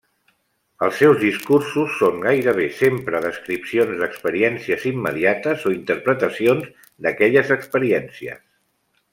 Els seus discursos són gairebé sempre descripcions d'experiències immediates o interpretacions d'aquelles experiències.